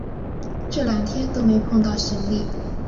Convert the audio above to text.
这两天都没碰到行李